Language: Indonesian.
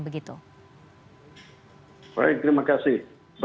baik terima kasih